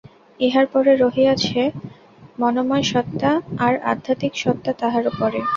ইহার পরে রহিয়াছে মনোময় সত্তা, আর আধ্যাত্মিক সত্তা তাহারও পরে।